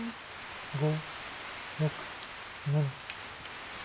５６７。